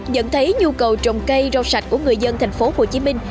nhận thấy nhu cầu trồng cây rau sạch của người dân thành phố hồ chí minh